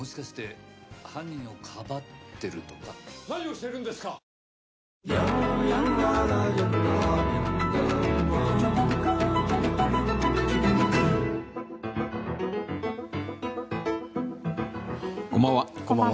こんばんは。